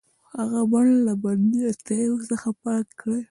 هغه بڼ له بد نیتو څخه پاک کړي.